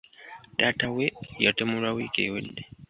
Taata we yatemulwa wiiki ewedde.